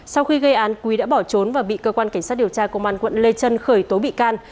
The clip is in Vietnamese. sau khi gây án quý đã bỏ trốn và bị cơ quan cảnh sát điều tra công an quận lê trân khởi tố bị can